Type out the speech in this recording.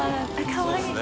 かわいい！